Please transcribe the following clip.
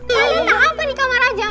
kalian tak apa nih kamar aja